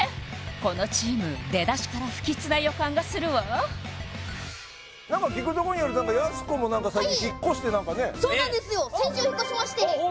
このチーム出だしから不吉な予感がするわ何か聞くところによると何かはいそうなんですよ先週引っ越しましてあっ